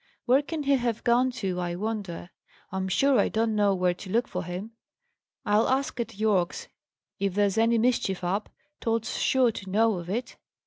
"Where can he have gone to, I wonder? I'm sure I don't know where to look for him! I'll ask at Yorke's! If there's any mischief up, Tod's sure to know of it."